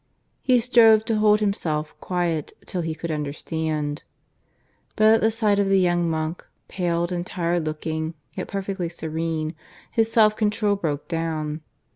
He strove to hold himself quiet till he could understand. ... But at the sight of the young monk, paled and tired looking, yet perfectly serene, his self control broke down.